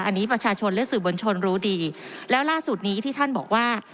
อันนี้ประชาชนและสื่อบนชนรู้ดีแล้วล่าสุดนี้ที่ท่านบอกว่า